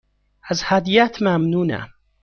از هدیهات ممنونم.